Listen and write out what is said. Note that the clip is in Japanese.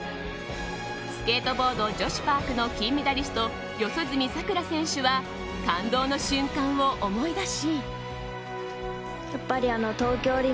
スケートボード女子パークの金メダリスト四十住さくら選手は感動の瞬間を思い出し。